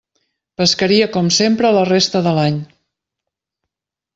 Pescaria, com sempre, la resta de l'any.